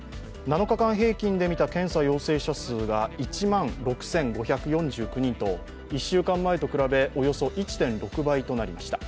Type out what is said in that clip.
７日間平均で見た検査陽性者数が１万６５４９人と１週間前と比べおよそ１．６倍となりました。